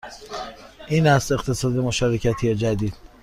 این است اقتصاد مشارکتی جدید